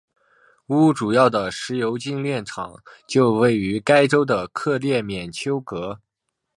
乌主要的石油精炼厂就位于该州的克列缅丘格。